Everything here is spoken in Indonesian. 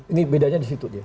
ini bedanya di situ